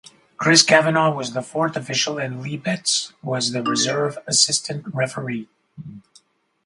Chris Kavanagh was the fourth official and Lee Betts was the reserve assistant referee.